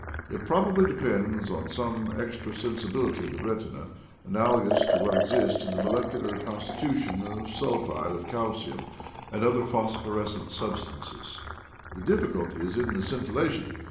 It probably de pends upon some extra sensibility of the retina analogous to what exists in the molecular consti tution of sulphide of calcium and other phosphor escent substances. The difficulty is in the scintilla tion.